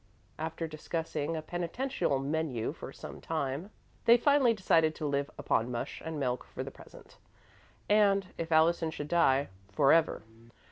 After discussing a penitential menu for some time, they finally decided to live upon mush and milk for the present, and, if Allison should die, forever.